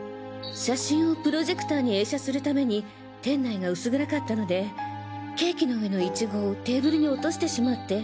写真をプロジェクターに映写するために店内が薄暗かったのでケーキの上のイチゴをテーブルに落としてしまって。